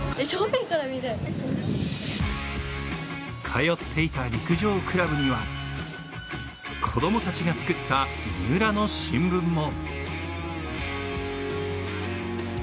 通っていた陸上クラブには子供たちが作った三浦の新聞も。